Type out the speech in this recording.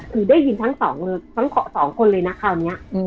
คือได้ยินทั้งสองคนเลยนะคราวนี้